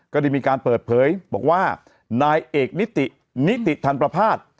ก็ได้มีการเปิดเผยบอกว่านายเอกนิตินิติธรรมประพาท